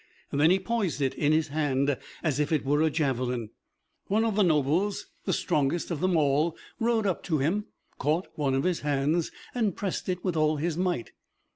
Then he poised it in his hand as if it were a javelin. One of the nobles, the strongest of them all, rode up to him, caught one of his hands, and pressed it with all his might.